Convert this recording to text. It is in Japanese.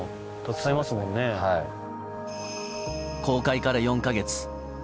公開から４か月。